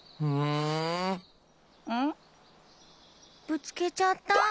ぶつけちゃった！